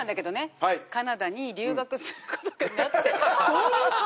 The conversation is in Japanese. どういう顔？